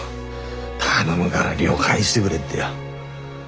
頼むがら亮返してくれってよ。